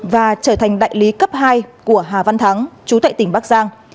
và trở thành đại lý cấp hai của hà văn thắng chú tại tỉnh bắc giang